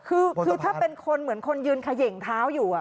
คือถ้าเป็นคนเหมือนคนยืนเขย่งเท้าอยู่